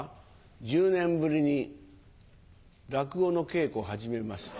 １０年ぶりに落語の稽古始めました。